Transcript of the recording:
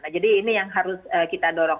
jadi ini yang harus kita dorong